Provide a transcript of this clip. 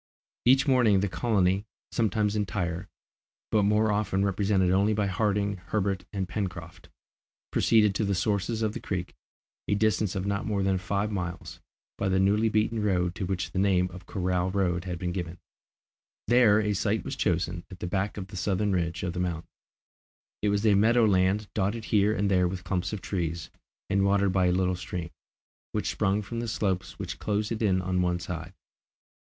Each morning, the colony, sometimes entire, but more often represented only by Harding, Herbert, and Pencroft, proceeded to the sources of the Creek, a distance of not more than five miles, by the newly beaten road to which the name of Corral Road had been given. [Illustration: JUP PASSED MOST OF HIS TIME IN THE KITCHEN, TRYING TO IMITATE NEB] There a site was chosen, at the back of the southern ridge of the mountain. It was a meadow land, dotted here and there with clumps of trees, and watered by a little stream, which sprung from the slopes which closed it in on one side.